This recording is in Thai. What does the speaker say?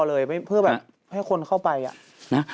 เอาไปเจ้าเข้าไปนะ